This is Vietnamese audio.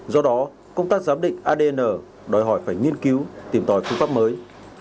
do đó công tác giám định adn đòi hỏi phải nghiên cứu tìm tòi phương pháp mới